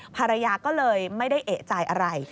ภรรยาก็เลยไม่ได้เอกใจอะไร